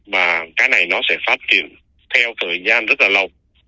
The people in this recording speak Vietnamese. và cái này nó sẽ phát triển theo thời gian rất là lâu